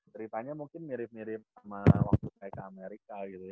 ceritanya mungkin mirip mirip sama waktu saya ke amerika gitu